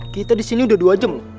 kita disini udah dua jam